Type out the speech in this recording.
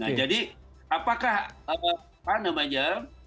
nah jadi apakah apa namanya